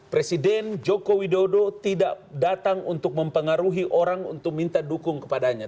presiden joko widodo tidak datang untuk mempengaruhi orang untuk minta dukung kepadanya